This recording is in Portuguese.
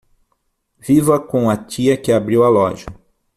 Viva com a tia que abriu a loja